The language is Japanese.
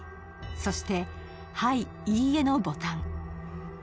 そして、「はい」「いいえ」のボタン。